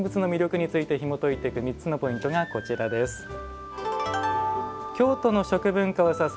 そんな乾物の魅力についてひもといていく３つのポイントがこちらです。